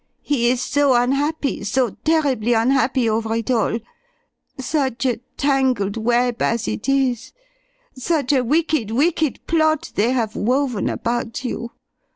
He is so unhappy, so terribly unhappy over it all. Such a tangled web as it is, such a wicked, wicked plot they have woven about you!